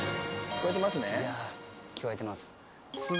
聞こえてますね？